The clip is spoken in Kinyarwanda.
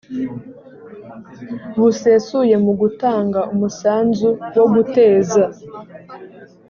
busesuye mu gutanga umusanzu wo guteza